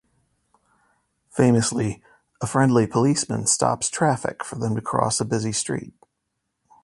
Famously, a friendly policeman stops traffic for them to cross a busy street.